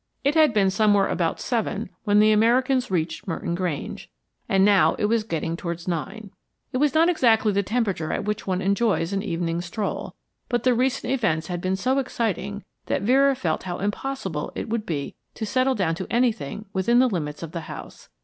It had been somewhere about seven when the Americans reached Merton Grange, and now it was getting towards nine. It was not exactly the temperature at which one enjoys an evening stroll, but the recent events had been so exciting that Vera felt how impossible it would be to settle down to anything within the limits of the house.